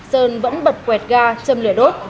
sơn vẫn bật quẹt ga châm lửa đốt